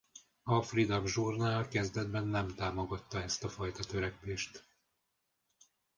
A Freedom’ Journal kezdetben nem támogatta ezt a fajta törekvést.